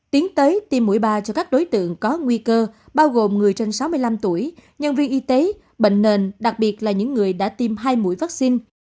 tiến tới tiêm mũi ba cho các đối tượng có nguy cơ bao gồm người trên sáu mươi năm tuổi nhân viên y tế bệnh nền đặc biệt là những người đã tiêm hai mũi vaccine